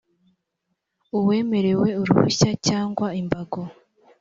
uwemerewe uruhushya cyangwa imbago